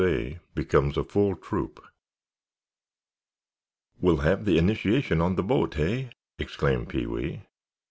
A BECOMES A FULL TROOP "We'll have the initiation on the boat, hey?" exclaimed Pee wee.